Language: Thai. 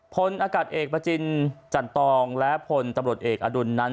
พลอากาศเอกประจินจันตองและพลตำรวจเอกอดุลนั้น